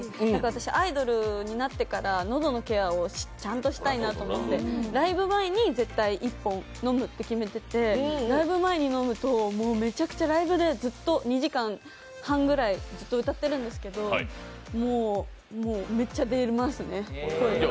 私、アイドルになってから喉のケアをちゃんとしたいなと思ってライブ前に絶対１本、飲むって決めててライブ前に飲むと、めちゃくちゃライブでずっと２時間半ぐらいずっと歌ってるんですけどもうめっちゃでますね、声。